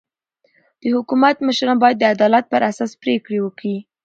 د حکومت مشران باید د عدالت پر اساس پرېکړي وکي.